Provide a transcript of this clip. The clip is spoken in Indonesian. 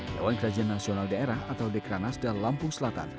dewan kerajaan nasional daerah atau dekranasda lampung selatan